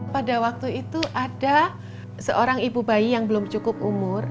pada waktu itu ada seorang ibu bayi yang belum cukup umur